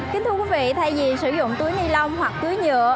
kính thưa quý vị thay vì sử dụng túi ni lông hoặc túi nhựa